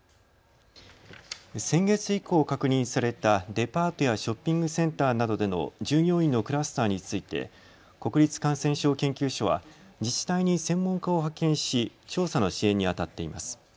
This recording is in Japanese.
先月以降確認されたデパートやショッピングセンターなどでの従業員のクラスターについて国立感染症研究所は自治体に専門家を派遣し、調査の支援にあたっています。